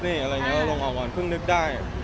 เพิ่งไม่ครบลงออกก่อนเพิ่งนึกได้